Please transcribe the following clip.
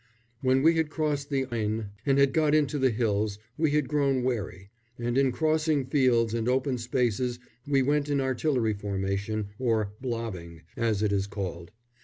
When we had crossed the Aisne and had got into the hills we had grown wary, and in crossing fields and open spaces we went in artillery formation, or "blobbing," as it is called.